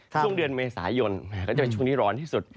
ช่วงเดือนเมษายนก็จะเป็นช่วงนี้ร้อนที่สุด